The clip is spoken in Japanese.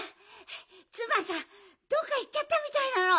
ツバンさんどっかいっちゃったみたいなの。